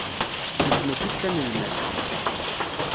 Nekk mačči d tanelmadt.